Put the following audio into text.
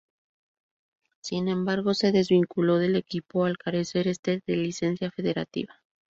Sin embargo se desvinculó del equipo al carecer este de licencia federativa.